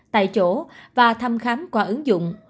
tại chỗ và thăm khám qua ứng dụng